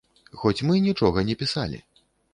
Хоць мы нічога не пісалі.